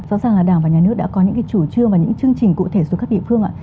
rõ ràng là đảng và nhà nước đã có những cái chủ trương và những chương trình cụ thể xuống các địa phương ạ